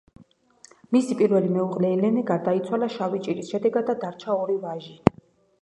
მისი პირველი მეუღლე ელენე გარდაიცვალა შავი ჭირის შედეგად და დარჩა ორი ვაჟი.